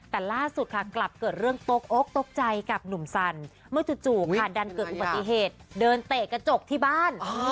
แต่ล่าสุดค่ะกลับเกิดเรื่องตกอกตกใจกับหนุ่มสันเมื่อจู่ค่ะดันเกิดอุบัติเหตุเดินเตะกระจกที่บ้าน